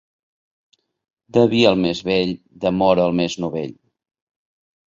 De vi, el més vell; d'amor, el més novell.